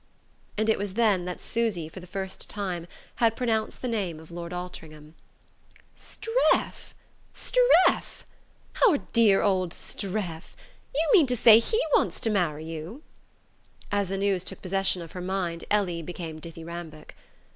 And it was then that Susy, for the first time, had pronounced the name of Lord Altringham. "Streff Streff? Our dear old Streff, You mean to say he wants to marry you?" As the news took possession of her mind Ellie became dithyrambic.